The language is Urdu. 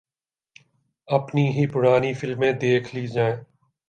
اپنی ہی پرانی فلمیں دیکھ لی جائیں۔